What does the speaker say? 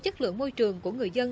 chất lượng môi trường của người dân